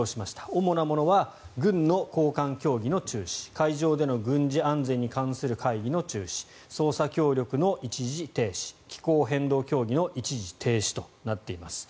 主なものは軍の高官協議の中止海上での軍事安全に関する会議の中止捜査協力の一時停止気候変動協議の一時停止となっています。